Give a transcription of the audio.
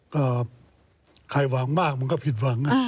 ก็ใครหวังมากมันก็ผิดหวัง